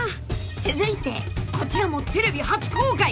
［続いてこちらもテレビ初公開！］